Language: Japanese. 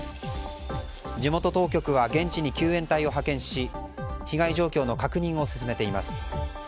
地元当局は現地に救援隊を派遣し被害状況の確認を進めています。